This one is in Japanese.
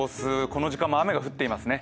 この時間も雨が降っていますね。